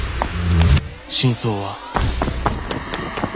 「真相は」。